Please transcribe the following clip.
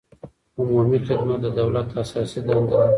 عمومي خدمت د دولت اساسي دنده ده.